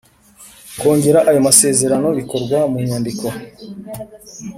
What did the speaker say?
kongera ayo masezerano bikorwa mu nyandiko.